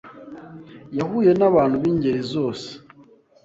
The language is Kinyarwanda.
Yahuye nabantu b'ingeri zose.